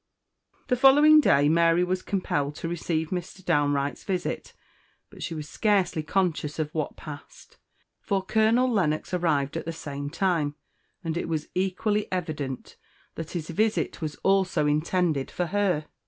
The following day Mary was compelled to receive Mrs. Downe Wright's visit; but she as scarcely conscious of what passed, for Colonel Lennox arrived at the same time; and it was equally evident that his visit was also intended for her.